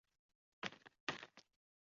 克瑞乌萨。